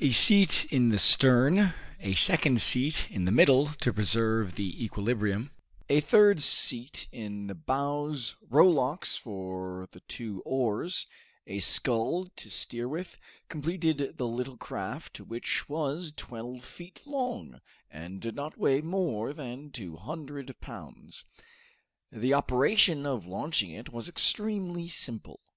A seat in the stern, a second seat in the middle to preserve the equilibrium, a third seat in the bows, rowlocks for the two oars, a scull to steer with, completed the little craft, which was twelve feet long, and did not weigh more than two hundred pounds. The operation of launching it was extremely simple.